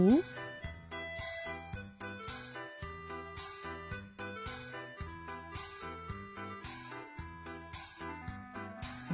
với những lễ hội